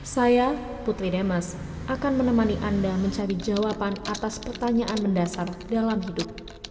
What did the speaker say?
saya putri demas akan menemani anda mencari jawaban atas pertanyaan mendasar dalam hidup